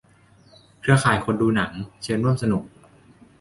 "เครือข่ายคนดูหนัง" เชิญร่วมสนุก